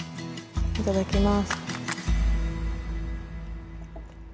いただきます。